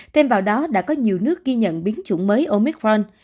thêm vào đó đã có nhiều nước ghi nhận biến chủng mới omicron